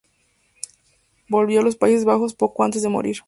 Volvió a los Países Bajos poco antes de morir.